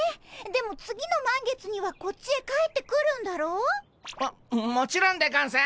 でも次の満月にはこっちへ帰ってくるんだろ？ももちろんでゴンス。